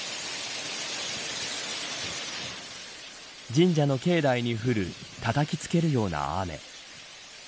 神社の境内に降るたたきつけるような雨。